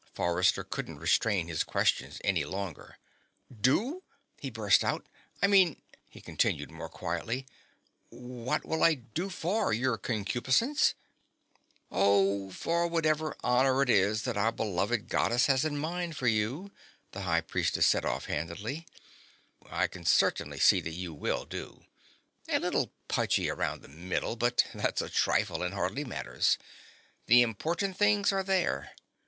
Forrester couldn't restrain his questions any longer. "Do?" he burst out. "I mean," he continued, more quietly, "what will I do for, Your Concupiscence?" "Oh, for whatever honor it is that our beloved Goddess has in mind for you," the High Priestess said offhandedly. "I can certainly see that you will do. A little pudgy around the middle, but that's a trifle and hardly matters. The important things are there.